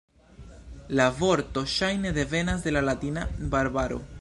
La vorto ŝajne devenas de la latina "barbaro".